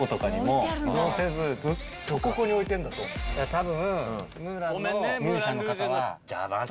多分。